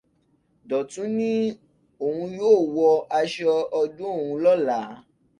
Dọ̀tun ní òun yóò wọ aṣọ ọdún òun lọ́la